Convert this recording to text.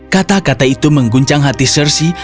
kata kata itu mengguncang hati sersi